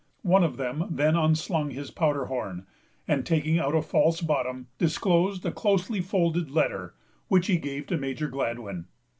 One of them then unslung his powder horn, and, taking out a false bottom, disclosed a closely folded letter, which he gave to Major Gladwyn.